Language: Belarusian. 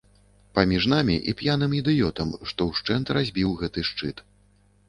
Паміж намі і п'яным ідыётам, што ўшчэнт разбіў гэты шчыт.